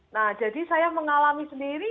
nah jadi saya mengalami sendiri